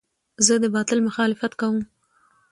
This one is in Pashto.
زه د باطل مخالفت کوم.